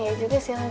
iya juga sih